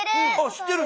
知ってる。